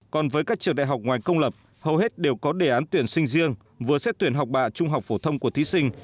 còn với các trường đại học ngoài công lập hầu hết đều có đề án tuyển sinh riêng vừa xét tuyển học bạ trung học phổ thông của thí sinh